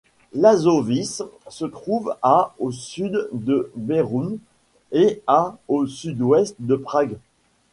Lážovice se trouve à au sud de Beroun et à au sud-ouest de Prague.